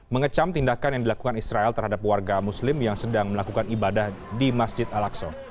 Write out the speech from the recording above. mengecam tindakan yang dilakukan israel terhadap warga muslim yang sedang melakukan ibadah di masjid al aqsa